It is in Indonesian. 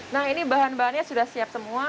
nah ini bahan bahannya sudah siap semua